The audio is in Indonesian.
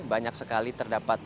banyak sekali terdapat